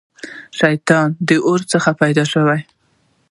شيطان د اور څخه پيدا سوی دی